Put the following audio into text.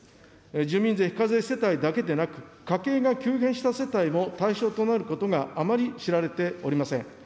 住民税非課税世帯だけでなく、家計が急変した世帯も対象となることがあまり知られておりません。